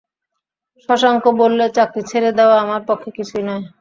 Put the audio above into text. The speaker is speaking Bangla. শশাঙ্ক বললে, চাকরি ছেড়ে দেওয়া আমার পক্ষে কিছুই নয়।